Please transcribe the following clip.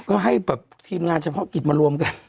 ก็ให้แบบทีมงานเฉพาะกิจมารวมกัน